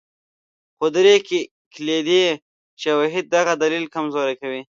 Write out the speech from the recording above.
خو درې کلیدي شواهد دغه دلیل کمزوری کوي.